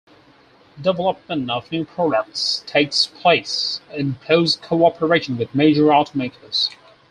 Development of new products takes place in close cooperation with major automakers.